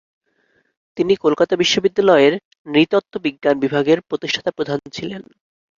তিনি কলকাতা বিশ্ববিদ্যালয়ের নৃতত্ববিজ্ঞান বিভাগের প্রতিষ্ঠাতা প্রধান ছিলেন।